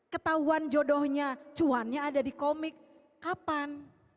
ketahuan jodohnya cuannya ada di komik kapan